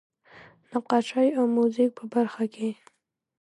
نقاشۍ او موزیک په برخه کې.